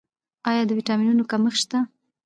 آیا د ویټامینونو کمښت شته؟